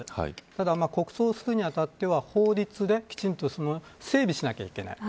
ただ、国葬をするに当たっては法律できちんと整備しなきゃいけない。